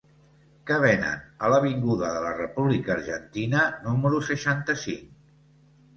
Què venen a l'avinguda de la República Argentina número seixanta-cinc?